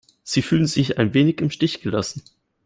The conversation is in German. Sie fühlen sich ein wenig im Stich gelassen.